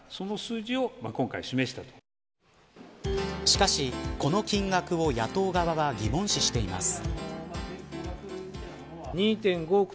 しかし、この金額を野党側は疑問視しています。